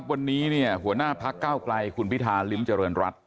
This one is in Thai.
วันนี้หัวหน้าพักเก้าไกลคุณพิธาริมเจริญรัฐ